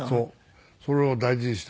それを大事にしている。